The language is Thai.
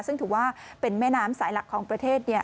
ซึ่งถือว่าเป็นแม่น้ำสายหลักของประเทศ